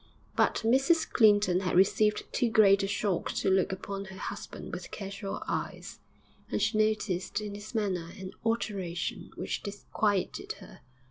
But Mrs Clinton had received too great a shock to look upon her husband with casual eyes, and she noticed in his manner an alteration which disquieted her.